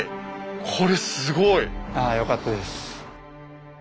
これすごい！ああよかったです。